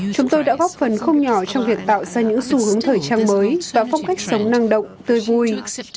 chúng tôi đã góp phần không nhỏ trong việc tạo ra những xu hướng thời trang mới và phong cách sống năng động tươi vui